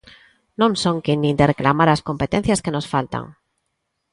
Non son quen nin de reclamar as competencias que nos faltan!